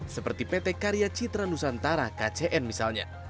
seperti pt karya citra nusantara kcn misalnya